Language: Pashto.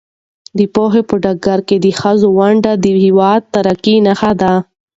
د پوهنې په ډګر کې د ښځو ونډه د هېواد د ترقۍ نښه ده.